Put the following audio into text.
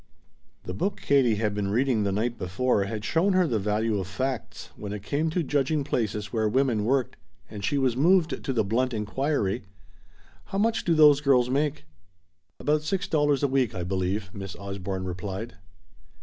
The book Katie had been reading the night before had shown her the value of facts when it came to judging places where women worked, and she was moved to the blunt inquiry: "How much do those girls make?" "About six dollars a week, I believe," Miss Osborne replied.